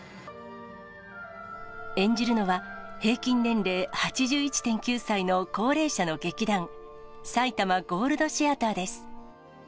演じるのは、平均年齢８１．９歳の高齢者の劇団、さいたまゴールド・シアターです。